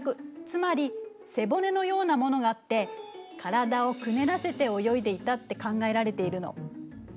つまり背骨のようなものがあって体をくねらせて泳いでいたって考えられているの。